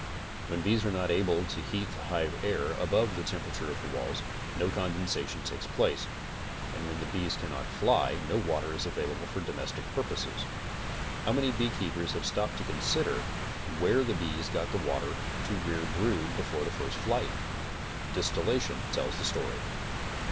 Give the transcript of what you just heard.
When bees are not able to heat the hive air above the temperature of the walls, no condensation takes place, and when the bees cannot fly no water is available for domestic purposes. How many beekeepers have stopped to consider where the bees got the water to rear brood before the first flight? Dis tilation tells the story.